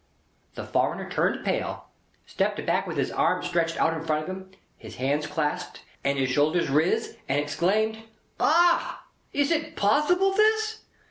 The foreigner turned pale, stepped back with his arms stretched out in front of him, his hands clasped, and his shoulders riz, and exclaimed: "Ah! Is it possible this!